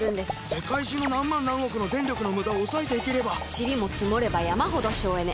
世界中の何万何億の電力のムダを抑えていければチリも積もれば山ほど省エネ。